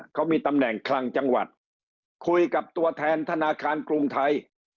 เขามีตำแหน่งคลังจังหวัดคุยกับตัวแทนธนาคารกรุงไทย